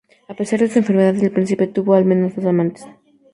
A pesar de su enfermedad, el príncipe tuvo al menos dos amantes.